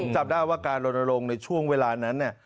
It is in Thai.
จับได้ว่าการลนลงในช่วงเวลานั้น